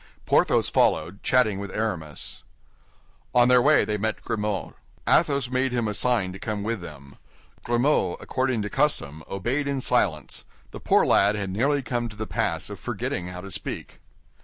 Porthos followed, chatting with Aramis. On their way they met Grimaud. Athos made him a sign to come with them. Grimaud, according to custom, obeyed in silence; the poor lad had nearly come to the pass of forgetting how to speak.